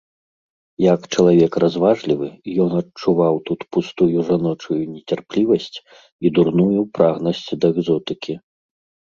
Як чалавек разважлівы, ён адчуваў тут пустую жаночую нецярплівасць і дурную прагнасць да экзотыкі.